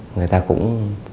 người ta cũng